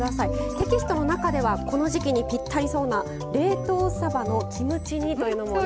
テキストの中ではこの時季にピッタリそうな冷凍さばのキムチ煮というのもね。